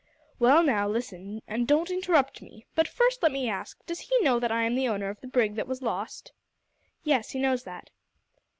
"Well, now, listen, and don't interrupt me. But first let me ask, does he know that I am the owner of the brig that was lost?" "Yes; he knows that."